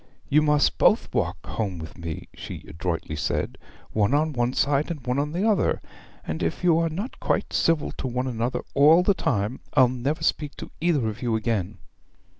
'You must both walk home with me,' she adroitly said, 'one on one side, and one on the other. And if you are not quite civil to one another all the time, I'll never speak to either of you again.'